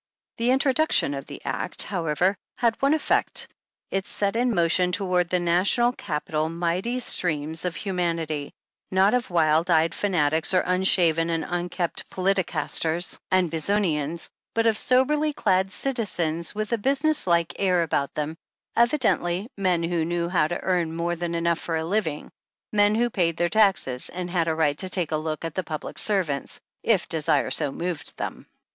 The introduction of the Act, however, had one effect ; it set in motion toward the National capital, mighty streams of humanity — not of wild eyed fanatics or unshaven and unkempt politicasters and 41 42 bezonians — but of soberly clad citizens with a busi ness like air about them, evidently men who knew how to earn more than enough for a living, men wha paid their taxes and had a right to take a look at the public servants, if desire so moved them.